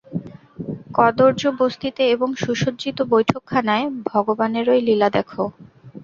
কদর্য বস্তিতে এবং সুসজ্জিত বৈঠকখানায় ভগবানেরই লীলা দেখ।